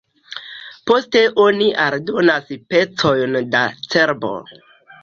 Poste oni aldonas pecojn da cerbo.